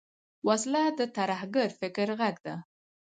وسله د ترهګر فکر غږ ده